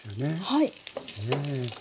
はい。